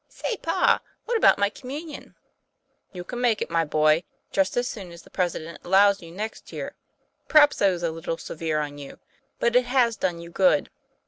" Say, pa, what about my Communion ?"" You can make it, my boy, just as soon as the President allows you next year. Perhaps I was a little severe on you, but it has done you good."